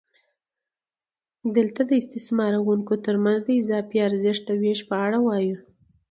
دلته د استثماروونکو ترمنځ د اضافي ارزښت د وېش په اړه وایو